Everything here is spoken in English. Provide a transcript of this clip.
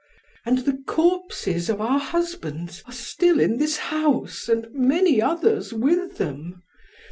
And the corpses of our husbands are still in this house, and many others with them.